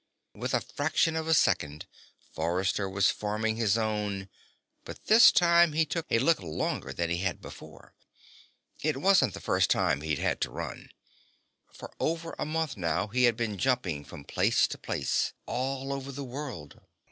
With a fraction of a second, Forrester was forming his own. But this time he took a little longer than he had before. It wasn't the first time he'd had to run. For over a month now, he had been jumping from place to place, all over the world.